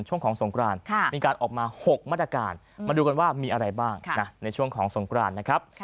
ช่วงของสงกรานมีการออกมา๖มาตรการมาดูกันว่ามีอะไรบ้างในช่วงของสงกรานนะครับ